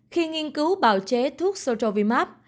khi nghiên cứu bào chế thuốc strovimab